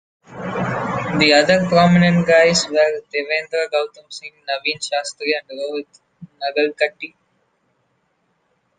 The other prominent guys were Devendra Gautam Singh, Naveen Shastri and Rohit Nagarkatti.